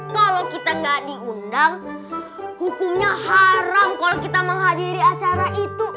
kalau kita nggak diundang hukumnya haram kalau kita menghadiri acara itu